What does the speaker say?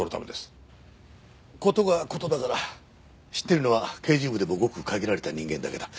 事が事だから知ってるのは刑事部でもごく限られた人間だけだ。